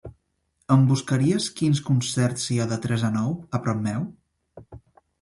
Em buscaries quins concerts hi ha de tres a nou a prop meu?